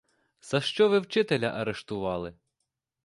За що ви вчителя арештували?